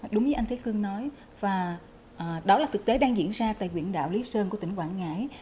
đúng như anh thế cương nói đó là thực tế đang diễn ra tại huyện đạo lý sơn của tỉnh quảng ngãi